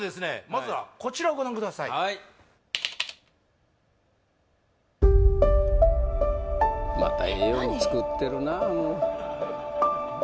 まずはこちらをご覧くださいまたええように作ってるな